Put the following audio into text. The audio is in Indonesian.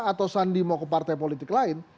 atau sandi mau ke partai politik lain